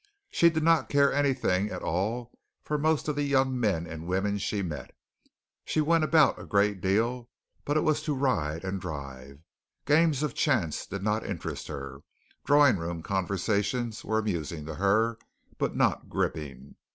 She did not care anything at all for most of the young men and women she met. She went about a great deal, but it was to ride and drive. Games of chance did not interest her. Drawing room conversations were amusing to her, but not gripping.